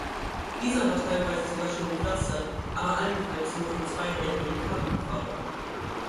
Dieser war teilweise sogar schon gepflastert, aber allenfalls nur von zweirädrigen Karren befahrbar.